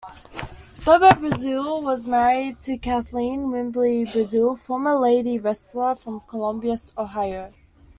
Bobo Brazil was married to Kathleen Wimbley Brazil former Lady Wrestler from Columbus, Ohio.